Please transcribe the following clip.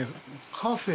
カフェ！